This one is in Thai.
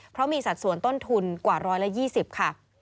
เพราะมีสัดส่วนต้นทุนกว่า๑๒๐ค่ะ